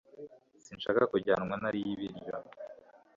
Sinshaka kujyanwa ntariye ibiryo